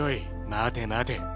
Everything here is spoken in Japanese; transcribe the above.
待て待て。